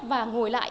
và ngồi lại